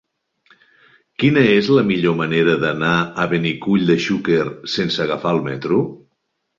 Quina és la millor manera d'anar a Benicull de Xúquer sense agafar el metro?